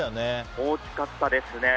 大きかったですね。